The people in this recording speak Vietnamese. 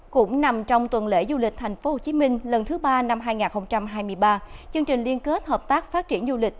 cũng nằm trong tuần lễ du lịch tp hcm lần thứ ba năm hai nghìn hai mươi ba chương trình liên kết hợp tác phát triển du lịch